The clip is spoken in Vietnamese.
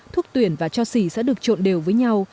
thuốc tuyển và cho xỉ sẽ được trộn đều với nhau